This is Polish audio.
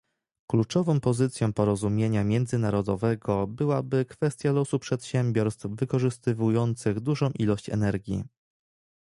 Kluczową pozycją porozumienia międzynarodowego byłaby kwestia losu przedsiębiorstw wykorzystujących dużą ilość energii